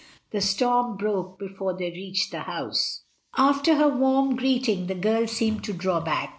The storm broke before they reached the house. After her first warm greeting the girl seemed to draw back.